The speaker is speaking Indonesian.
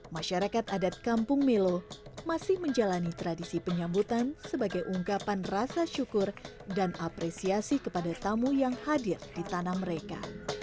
masyarakat adat kampung melo masih menjalani tradisi penyambutan sebagai ungkapan rasa syukur dan apresiasi kepada tamu yang hadir di tanah mereka